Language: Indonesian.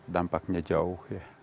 dampaknya jauh ya